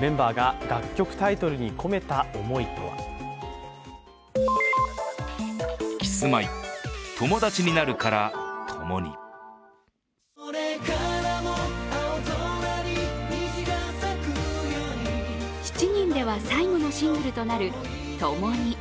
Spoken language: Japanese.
メンバーが楽曲タイトルに込めた思いとは７人では最後のシングルとなる「ともに」。